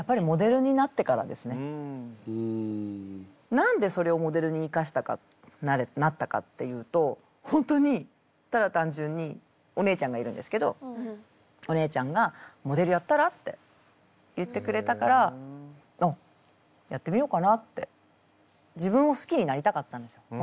何でそれをモデルに生かしたかなったかっていうと本当にただ単純にお姉ちゃんがいるんですけどお姉ちゃんがモデルやったら？って言ってくれたからあっやってみようかなって。